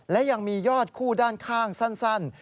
และยังมียอดคู่ด้านข้างสั้น